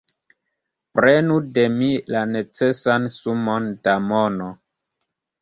Prenu de mi la necesan sumon da mono!